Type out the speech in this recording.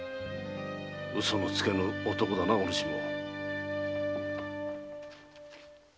嘘のつけぬ男だなお主も。